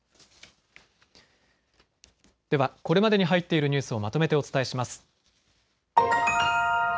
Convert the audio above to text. では、これまでに入っているニュースをまとめてお伝えします。